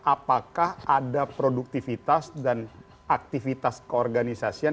apakah ada produktivitas dan aktivitas keorganisasian